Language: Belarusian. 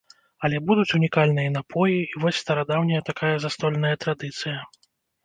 Але будуць унікальныя напоі, і вось старадаўняя такая застольная традыцыя.